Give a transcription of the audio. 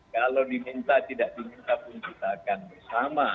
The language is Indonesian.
kalau diminta tidak diminta pun kita akan bersama